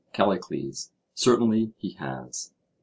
CALLICLES: Certainly he has.